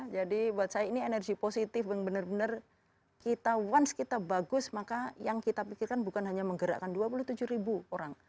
jadi buat saya ini energi positif yang benar benar kita once kita bagus maka yang kita pikirkan bukan hanya menggerakkan dua puluh tujuh ribu orang